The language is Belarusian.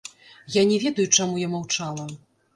Я не ведаю, чаму я маўчала.